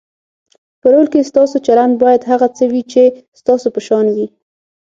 په رول کې ستاسو چلند باید هغه څه وي چې ستاسو په شان وي.